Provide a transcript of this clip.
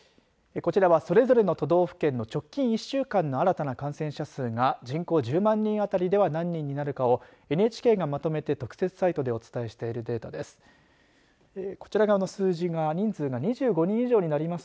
こちらは、それぞれの都道府県の直近１週間の新たな感染者数が人口１０万人あたりでは何人になるかをＮＨＫがまとめて特設サイトでお伝えしているデータです。